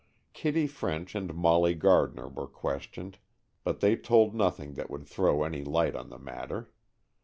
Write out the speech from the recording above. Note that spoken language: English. Kitty French and Molly Gardner were questioned, but they told nothing that would throw any light on the matter.